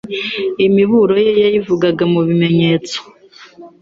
imiburo ye yayivugaga mu bimenyetso.